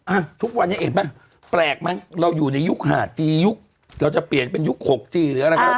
อ่ะทุกวันนี้เห็นป่ะแปลกมั้งเราอยู่ในยุคหาดจียุคเราจะเปลี่ยนเป็นยุค๖จีหรืออะไรครับ